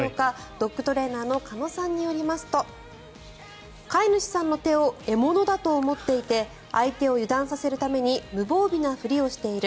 ドッグトレーナーの鹿野さんによりますと飼い主さんの手を獲物だと思っていて相手を油断させるために無防備なふりをしている。